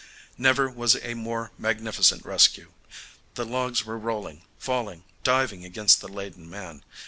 Never was a more magnificent rescue. The logs were rolling, falling, diving against the laden man.